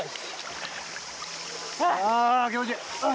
あ気持ちいい。